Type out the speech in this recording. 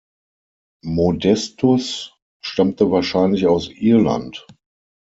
Modestus stammte wahrscheinlich aus Irland.